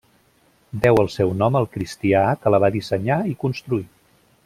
Deu el seu nom al cristià que la va dissenyar i construir.